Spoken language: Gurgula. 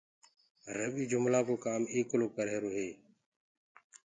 رويٚ جُملآنٚ ڪو ڪآم ايڪلو ڪرريهرو هي